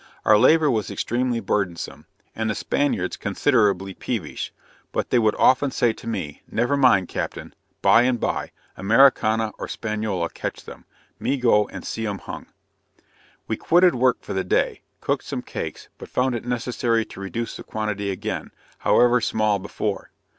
Our labor was extremely burdensome, and the Spaniards considerably peevish but they would often say to me "never mind captain, by and by, Americana or Spanyola catch them, me go and see 'um hung." We quitted work for the day, cooked some cakes but found it necessary to reduce the quantity again, however small before.